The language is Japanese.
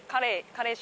カレー。